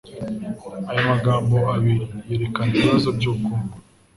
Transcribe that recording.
Aya magambo abiri yerekana ibibazo byubukungu